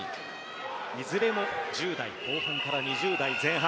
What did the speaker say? いずれも１０代後半から２０代前半。